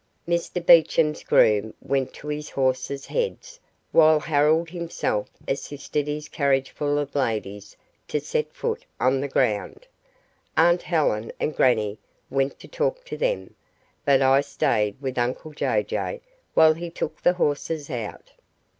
Mr Beecham's groom went to his horses' heads while Harold himself assisted his carriageful of ladies to set foot on the ground. Aunt Helen and grannie went to talk to them, but I stayed with uncle Jay Jay while he took the horses out.